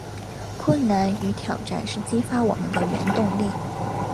困难与挑战是激发我们的原动力